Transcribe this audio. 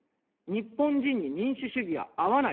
日本人に民主主義は合わない。